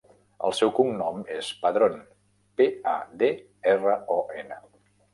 El seu cognom és Padron: pe, a, de, erra, o, ena.